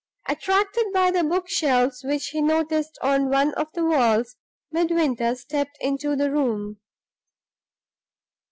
Attracted by the book shelves which he noticed on one of the walls, Midwinter stepped into the room.